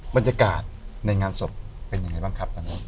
บรรยากาศในงานศพเป็นยังไงบ้างครับตอนนั้น